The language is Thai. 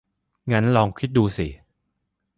งั้นลองคิดดูสิ